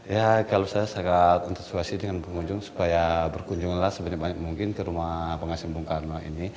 ya kalau saya sangat antusiasi dengan pengunjung supaya berkunjunglah sebanyak banyak mungkin ke rumah pengasim bung karno ini